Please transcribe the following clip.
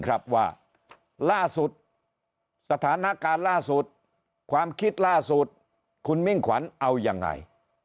ครับว่าล่าสุดสถานการณ์ล่าสุดความคิดล่าสุดคุณมิ่งขวัญเอายังไง